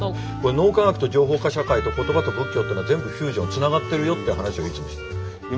脳科学と情報化社会と言葉と仏教っていうのは全部フュージョンつながってるよっていう話をいつもしていて。